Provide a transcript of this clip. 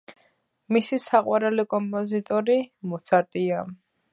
მისი საყვარელი კომპოზიტორი მოცარტია